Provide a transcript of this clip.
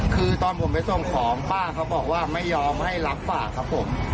คือตอนผมไปส่งของป้าเขาบอกว่าไม่ยอมให้รับฝากครับผม